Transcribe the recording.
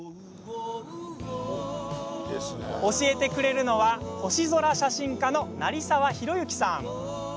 教えてくれるのは星空写真家の成澤広幸さん。